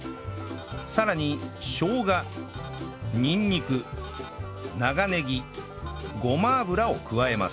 さらにしょうがにんにく長ネギごま油を加えます